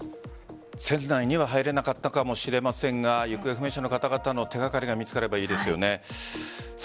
船内には入れなかったかもしれませんが行方不明者の方々の手掛かりが見つかればいいですよね。